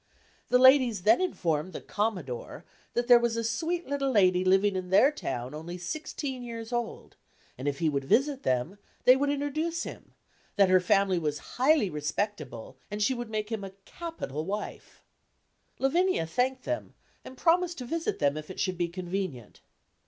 The ladies then informed the "Commodore" that there was a sweet little lady living in their town only sixteen years old, and if he would visit them, they would introduce him; that her family was highly respectable, and she would make him a capital wife! Lavinia thanked them and promised to visit them if it should be convenient.